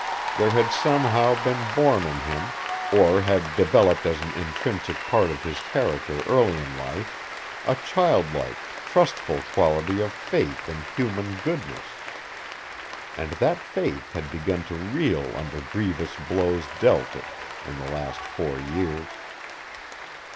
There had somehow been born in him, or had developed as an intrinsic part of his character early in life, a child like, trustful quality of faith in human goodness. And that faith had begun to reel under grievous blows dealt it in the last four years.